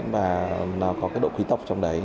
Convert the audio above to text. và nó có cái độ khí tốc trong đấy